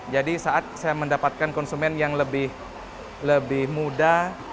jadi saat saya mendapatkan konsumen yang lebih muda